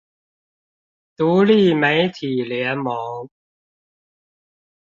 獨立媒體聯盟